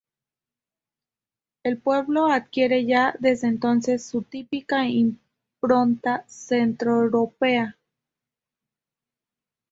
El pueblo adquiere ya desde entonces su típica impronta centroeuropea.